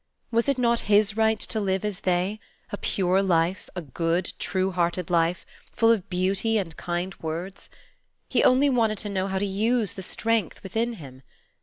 Was it not his right to live as they, a pure life, a good, true hearted life, full of beauty and kind words? He only wanted to know how to use the strength within him.